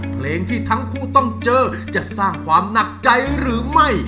เพลงที่ทั้งคู่ต้องเจอจะสร้างความหนักใจหรือไม่